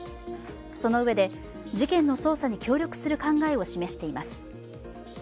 そのうえで、事件の捜査に協力する考えを示しています。